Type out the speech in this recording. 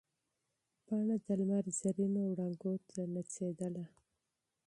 پاڼه د لمر زرینو وړانګو ته نڅېدله.